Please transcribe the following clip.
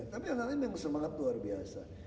tapi yang nanti memang semangat luar biasa